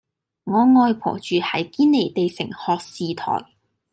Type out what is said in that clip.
我外婆住喺堅尼地城學士臺